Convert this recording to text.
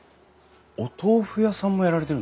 お豆腐屋さんもやられてるんですか？